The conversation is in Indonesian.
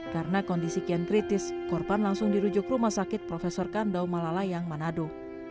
karena kondisi kian kritis korban langsung dirujuk rumah sakit prof kandaum malalayang manado